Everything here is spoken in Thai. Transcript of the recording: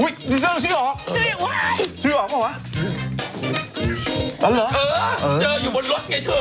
อุ้ยนี่เจอชื่อออกชื่อออกชื่อออกเหรออันเหรอเออเจออยู่บนรถไงเธอ